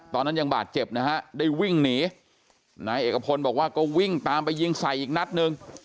ตอนนั้นยังบาดเจ็บนะฮะได้วิ่งหนีนายเอกพลบอกว่าก็วิ่งตามไปยิงใส่อีกนัดหนึ่ง